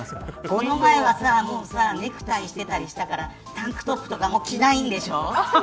この前はネクタイしてたりしたからタンクトップなんてもう着ないんでしょ。